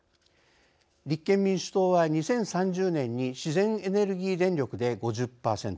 立憲民主党は「２０３０年に自然エネルギー電力で５０％